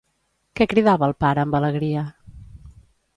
Què cridava el pare amb alegria?